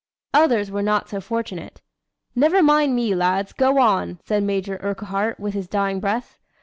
Others were not so fortunate. "Never mind me, lads, go on," said Major Urquhart with his dying breath.